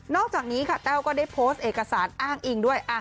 อกจากนี้ค่ะแต้วก็ได้โพสต์เอกสารอ้างอิงด้วย